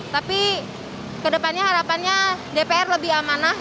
tapi ke depannya harapannya dpr lebih amanah